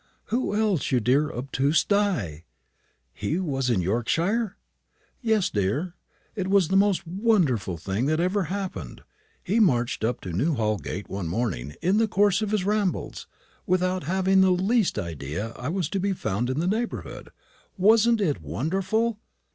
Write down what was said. "Who else, you dear obtuse Di!" "He was in Yorkshire?" "Yes, dear. It was the most wonderful thing that ever happened. He marched up to Newhall gate one morning in the course of his rambles, without having the least idea that I was to be found in the neighbourhood. Wasn't it wonderful?"